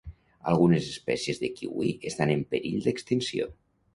Algunes espècies de kiwi estan en perill d'extinció.